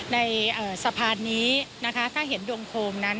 ในสะพานนี้นะคะถ้าเห็นดวงโคมนั้น